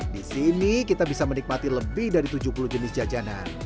di sini kita bisa menikmati lebih dari tujuh puluh jenis jajanan